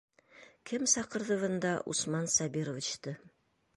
Кем саҡырҙы бында Усман Сабировичты?